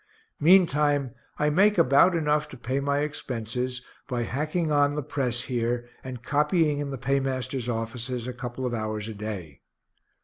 Meantime I make about enough to pay my expenses by hacking on the press here, and copying in the paymasters' offices, a couple of hours a day.